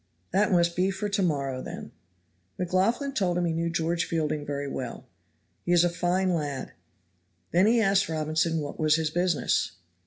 that must be for to morrow, then." McLaughlan told him he knew George Fielding very well. "He is a fine lad." Then he asked Robinson what was his business.